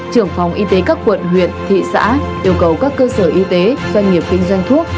trưởng phòng y tế các quận huyện thị xã yêu cầu các cơ sở y tế doanh nghiệp kinh doanh thuốc